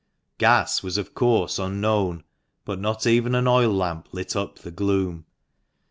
Gas was, of course, unknown, but not even an oil lamp lit up the gloom.